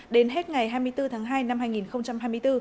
đến hết ngày hai mươi bốn tháng hai năm hai nghìn hai mươi bốn